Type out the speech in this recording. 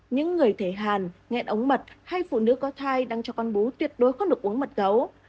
những người thể hàn nghẹn ống mật hay phụ nữ có thai đang cho con bú tuyệt đối không được uống mật gấu